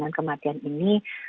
dan kematian ini